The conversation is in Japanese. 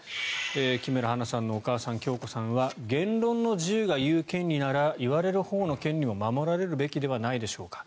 木村花さんのお母さん響子さんは言論の自由が言う権利なら言われるほうの権利も守られるべきではないでしょうか。